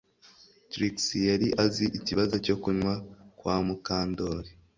Trix yari azi ikibazo cyo kunywa kwa Mukandoli